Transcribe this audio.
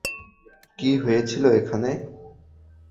কি হয়েছিল এখানে?